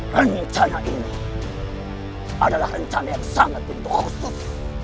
rencana ini adalah rencana yang sangat khusus